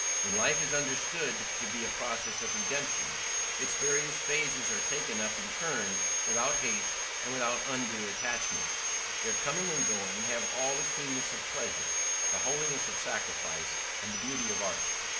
When life is understood to be a process of redemption, its various phases are taken up in turn without haste and without undue attachment; their coming and going have all the keenness of pleasure, the holiness of sacrifice, and the beauty of art.